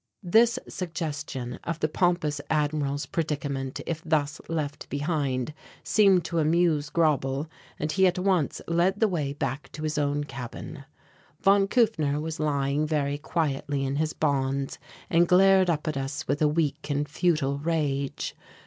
This suggestion of the pompous Admiral's predicament if thus left behind seemed to amuse Grauble and he at once led the way back to his own cabin. Von Kufner was lying very quietly in his bonds and glared up at us with a weak and futile rage.